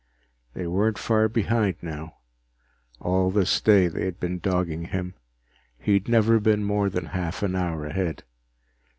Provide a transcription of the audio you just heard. They weren't far behind now. All this day they had been dogging him; he had never been more than half an hour ahead.